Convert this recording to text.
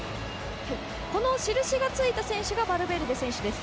印がついた選手がバルベルデ選手です。